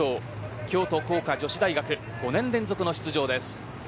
京都光華女子大学５年連続の出場です。